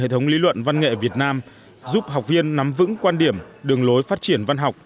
hệ thống lý luận văn nghệ việt nam giúp học viên nắm vững quan điểm đường lối phát triển văn học